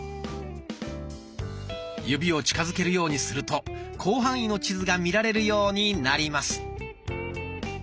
指を近づけるようにすると広範囲の地図が見られるようになります。